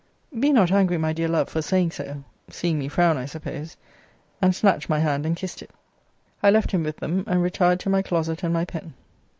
Be not angry, my dear love, for saying so, [seeing me frown, I suppose:] and snatched my hand and kissed it. I left him with them; and retired to my closet and my pen.